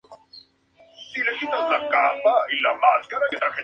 Está entrenada por la ex atleta Jeanette Bolden.